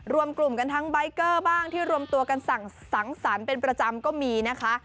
รวมกลุ่มกันทั้งใบเกอร์บ้างที่รวมตัวกันสั่งสังสรรค์เป็นประจำก็มีนะคะ